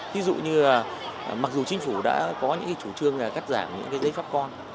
thí dụ như mặc dù chính phủ đã có những chủ trương cắt giảm những giấy pháp con